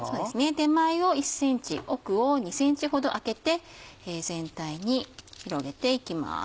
手前を１ｃｍ奥を２ｃｍほど空けて全体に広げていきます。